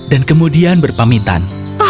dan kemudian berpamitan